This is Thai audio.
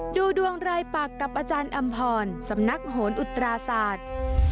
ดูดวงรายปักกับอาจารย์อำพรสำนักโหนอุตราศาสตร์